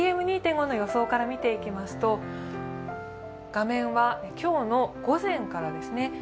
ＰＭ２．５の予想から見ていきますと画面は今日の午前からですね。